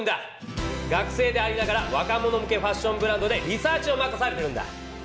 学生でありながら若者向けファッションブランドでリサーチを任されてるんだ。